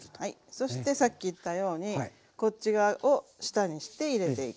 そしてさっき言ったようにこっち側を下にして入れていきます。